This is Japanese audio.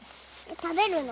食べるの？